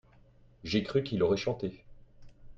j'ai cru qu'il aurait chanté.